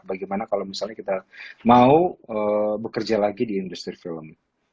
bagaimana kalau misalnya kita mau bekerja lagi di industri film